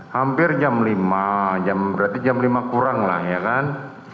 hampir jam lima berarti jam lima kurang lah ya kan